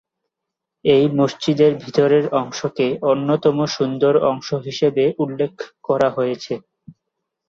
এই মসজিদের ভিতরের অংশকে অন্যতম সুন্দর অংশ হিসেবে উল্লেখ করা হয়েছে।